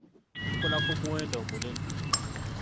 Kikola ku muwendo omunene.